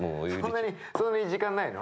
そんなにそんなに時間ないの？